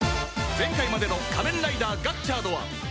前回までの『仮面ライダーガッチャード』は